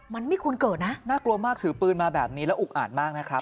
มันไม่ควรเกิดนะน่ากลัวมากถือปืนมาแบบนี้แล้วอุกอาดมากนะครับ